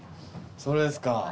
それですか。